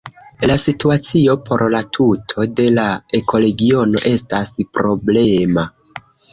La situacio por la tuto de la ekoregiono estas problema.